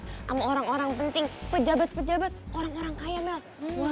sama orang orang penting pejabat pejabat orang orang kaya melk